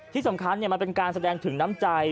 ที่สำคัญมันเป็นการแสดงถึงน้ำใจ